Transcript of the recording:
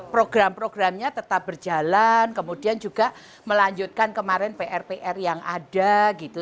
jadi program programnya tetap berjalan kemudian juga melanjutkan kemarin pr pr yang ada gitu